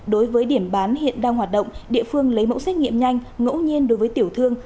đối với điểm bán hiện đang hoạt động địa phương lấy mẫu xét nghiệm nhanh ngẫu nhiên đối với tiểu thương